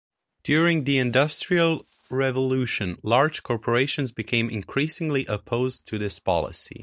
During the Industrial Revolution, large corporations became increasingly opposed to this policy.